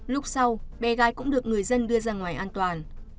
lúc sau bé gái cũng được người dân đưa ra ngoài an toàn